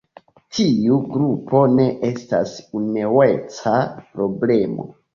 Tiu grupo ne estas unueca problemo.